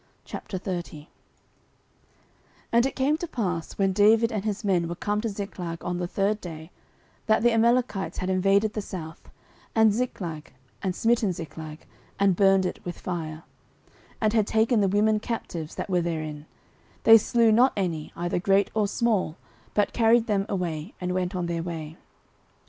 09:030:001 And it came to pass, when David and his men were come to Ziklag on the third day, that the Amalekites had invaded the south, and Ziklag, and smitten Ziklag, and burned it with fire; 09:030:002 And had taken the women captives, that were therein: they slew not any, either great or small, but carried them away, and went on their way.